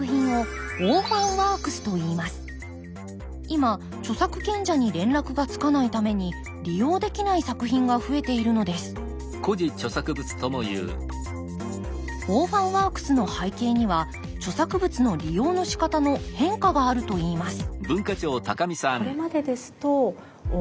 今著作権者に連絡がつかないために利用できない作品が増えているのですオーファンワークスの背景には著作物の利用のしかたの変化があるといいます